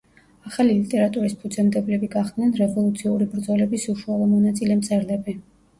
ახალი ლიტერატურის ფუძემდებლები გახდნენ რევოლუციური ბრძოლების უშუალო მონაწილე მწერლები.